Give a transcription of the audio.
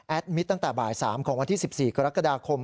มิตรตั้งแต่บ่าย๓ของวันที่๑๔กรกฎาคม